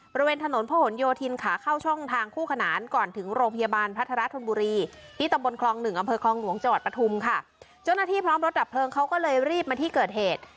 บริเวณถนนพระหลโยธินขาเข้าช่องทางคู่ขนานก่อนถึงโรงพยาบาลพัทรธนบุรีที่ตำบลคลองหนึ่งอำเภอคลองหลวงจังหวัดปฐุมค่ะเจ้าหน้าที่พร้อมรถดับเพลิงเขาก็เลยรีบมาที่เกิดเหตุ